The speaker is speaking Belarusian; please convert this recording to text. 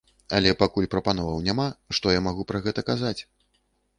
Але пакуль прапановаў няма, што я магу пра гэта казаць?